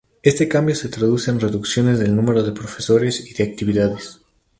Este cambio se traduce en reducciones del número de profesores y de actividades.